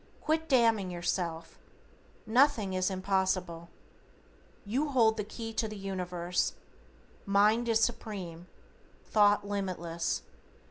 Quit damning yourself. Nothing is impossible. You hold the key to the Universe. Mind is Supreme. Thought limitless.